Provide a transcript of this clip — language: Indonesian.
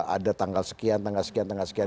ada tanggal sekian tanggal sekian tanggal sekian